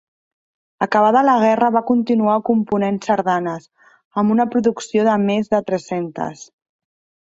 Acabada la guerra va continuar component sardanes, amb una producció de més de tres-centes.